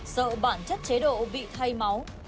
sợ bản chất chế độ bị thay máu